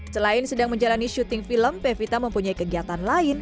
selain sedang menjalani syuting film pevita mempunyai kegiatan lain